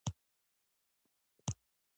حیوان ژوندی دی.